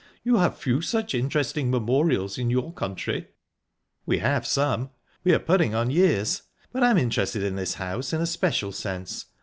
You have few such interesting memorials in your country?" "We have some; we are putting on years. But I'm interested in this house in a special sense.